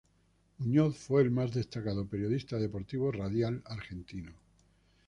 Muñoz fue el más destacado periodista deportivo radial argentino.